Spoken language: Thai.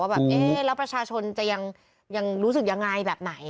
ว่าแบบแล้วประชาชนจะยังรู้สึกอย่างไรแบบไหน